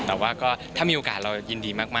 แต่ว่าก็ถ้ามีโอกาสเรายินดีมาก